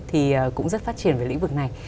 thì cũng rất phát triển về lĩnh vực này